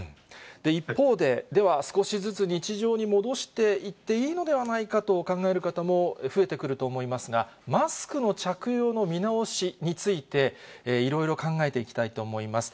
一方で、では少しずつ日常に戻していっていいのではないかと考える方も増えてくると思いますが、マスクの着用の見直しについて、いろいろ考えていきたいと思います。